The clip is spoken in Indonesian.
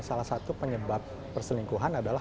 salah satu penyebab perselingkuhan adalah